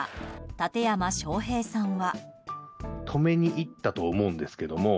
館山昌平さんは。